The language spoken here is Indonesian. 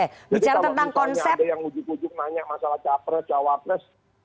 jadi kalau misalnya ada yang wujud wujud nanya masalah cawapres cawapres